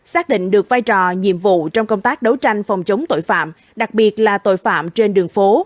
xác định được vai trò nhiệm vụ trong công tác đấu tranh phòng chống tội phạm đặc biệt là tội phạm trên đường phố